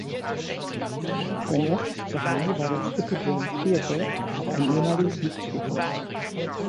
Sein erstes Zuhause war das Hippodrome Theatre, ein ehemaliges Lichtspielhaus.